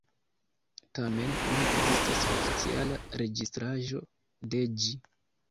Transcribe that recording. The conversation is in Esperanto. Tamen ne ekzistas oficiala registraĵo de ĝi.